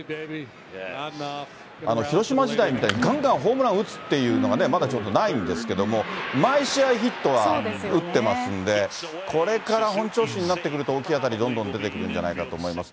広島時代みたいに、がんがんホームラン打つっていうのが、まだちょっとないんですけども、毎試合ヒットは打ってますんで、これから本調子になってくると、大きい当たり、どんどん出てくるんじゃないかと思います。